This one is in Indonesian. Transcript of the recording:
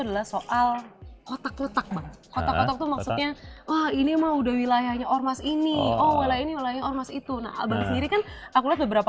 adalah soal kotak kotak maksudnya ini mau udah wilayahnya ormas ini oleh itu aku lihat beberapa